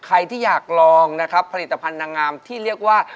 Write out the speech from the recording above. ใครที่อยากลองนะครับผลิตภัณฑ์นางงามที่เรียกว่า